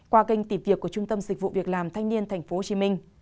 qua kênh tìm việc của trung tâm dịch vụ việc làm thanh niên tp hcm